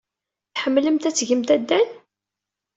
Tḥemmlemt ad tgemt addal?